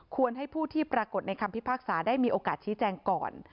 ให้ผู้ที่ปรากฏในคำพิพากษาได้มีโอกาสชี้แจงก่อน